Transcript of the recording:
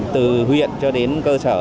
từ huyện cho đến cơ sở